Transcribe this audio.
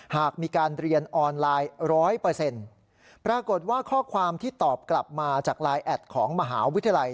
หากมีการเรียนออนไลน์ร้อยเปอร์เซ็นต์ปรากฏว่าข้อความที่ตอบกลับมาจากไลน์แอดของมหาวิทยาลัย